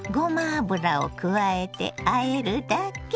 油を加えてあえるだけ。